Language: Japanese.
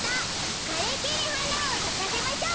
かれきにはなをさかせましょう。